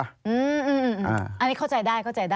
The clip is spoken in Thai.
อันนี้เข้าใจได้